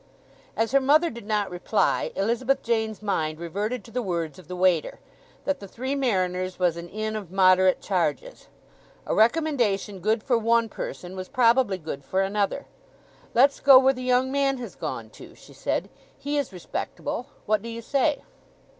As her mother did not reply Elizabeth Jane's mind reverted to the words of the waiter, that the Three Mariners was an inn of moderate charges. A recommendation good for one person was probably good for another. "Let's go where the young man has gone to," she said. "He is respectable. What do you say?"